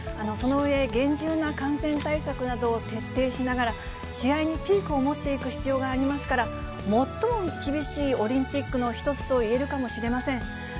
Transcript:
その上、厳重な感染対策などを徹底しながら、試合にピークを持っていく必要がありますから、最も厳しいオリンピックの一つと言えるかもしれません。